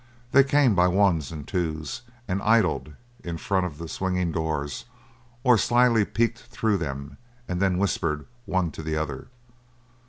They came by ones and twos and idled in front of the swinging doors or slyly peeked through them and then whispered one to the other.